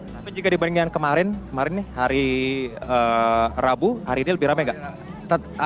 tapi jika dibandingkan kemarin hari rabu hari ini lebih rame gak